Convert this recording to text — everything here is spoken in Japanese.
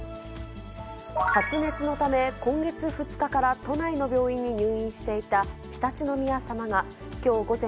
発熱のため、今月２日から都内の病院に入院していた常陸宮さまがきょう午前、